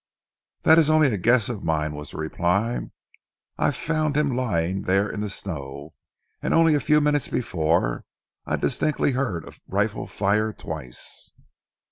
"That is only a guess of mine," was the reply. "I found him lying there in the snow, and only a few minutes before I distinctly heard a rifle fire twice."